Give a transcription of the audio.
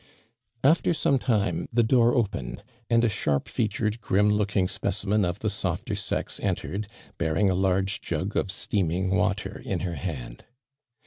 After some tim ^ the door opened, and a sharp featured, grim looking specimen of the softer sex entered, bearuig a large jug of steaming water in her hand.